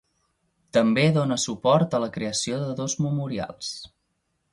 També donà suport a la creació de dos memorials.